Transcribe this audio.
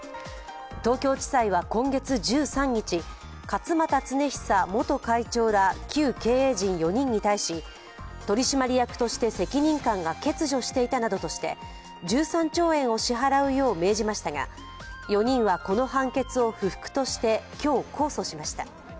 東京地裁は今月１３日、勝俣恒久元会長ら旧経営陣４人に対し取締役として責任感が欠如していたなどとして１３兆円を支払うよう命じましたが、４人はこの判決を不服として、今日、控訴しました。